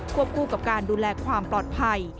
คู่กับการดูแลความปลอดภัย